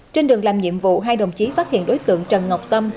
trên đường làm nhiệm vụ hai đồng chí phát hiện đối tượng trần ngọc tâm